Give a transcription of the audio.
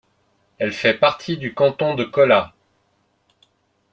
Elle fait partie du canton de Kola.